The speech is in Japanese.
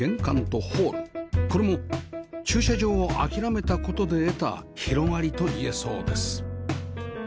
これも駐車場を諦めた事で得た広がりと言えそうです